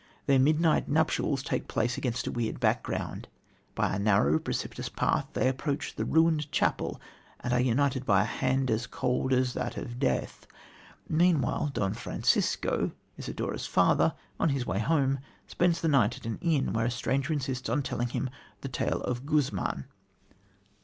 Their midnight nuptials take place against a weird background. By a narrow, precipitous path they approach the ruined chapel, and are united by a hand "as cold as that of death." Meanwhile, Don Francisco, Isidora's father, on his way home, spends the night at an inn, where a stranger insists on telling him "The Tale of Guzman."